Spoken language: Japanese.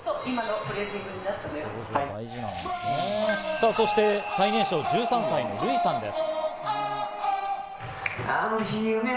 さぁ、そして最年少１３歳のルイさんです。